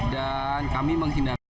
dan kami menghindari